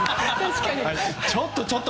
ちょっとちょっと。